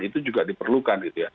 itu juga diperlukan